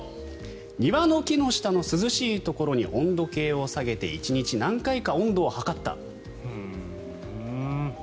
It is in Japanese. すると、庭の木の下で涼しいところに温度計を下げて１日何回か温度を測った。